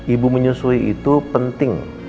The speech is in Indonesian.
ibu menyusui itu penting